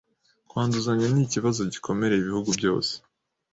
kwanduzanya nikibazo gikomereye ibihugu byose